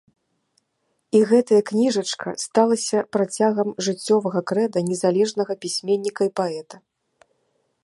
І гэтая кніжачка сталася працягам жыццёвага крэда незалежнага пісьменніка і паэта.